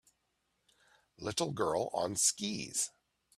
Little girl on skis